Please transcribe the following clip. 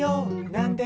なんで？